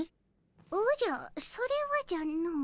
おじゃそれはじゃの。